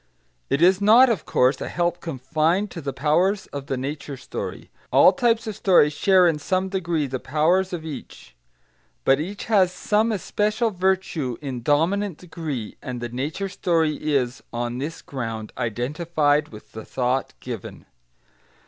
It is not, of course, a help confined to the powers of the nature story; all types of story share in some degree the powers of each. But each has some especial virtue in dominant degree, and the nature story is, on this ground, identified with the thought given.